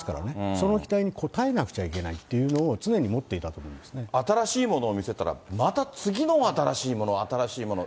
その期待に応えなくちゃいけないっていうのを常に持っていたと思新しいものを見せたら、また次の新しいもの、新しいもの。